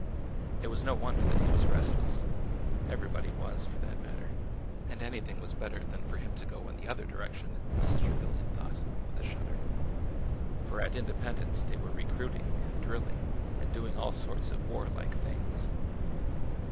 It was no wonder that he was restless. Everybody was, for that matter. And anything was better than for him to go in the other direction, Mrs. Trevilian thought, with a shudder; for at Independence they were recruiting and drilling and doing all sorts of warlike things.